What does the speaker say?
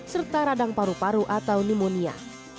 serta radang paru paru atau pneumonia